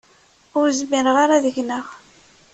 Ur zmireɣ ara ad gneɣ.